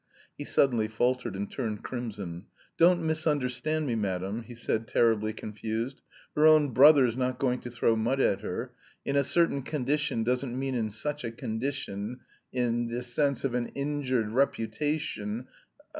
He suddenly faltered and turned crimson. "Don't misunderstand me, madam," he said, terribly confused. "Her own brother's not going to throw mud at her... in a certain condition doesn't mean in such a condition... in the sense of an injured reputation...